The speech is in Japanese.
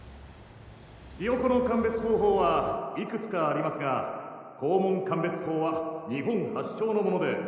ひよこの鑑別方法はいくつかありますが肛門鑑別法は日本発祥のもので。